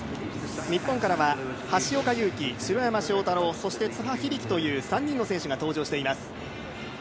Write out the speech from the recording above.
日本からは橋岡優輝、城山正太郎そして津波響樹という３人の選手が登場しています。